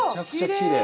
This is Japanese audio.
きれい！